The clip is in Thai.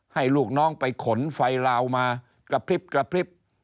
ลูกน้องไปขนไฟลาวมากระพริบกระพริบ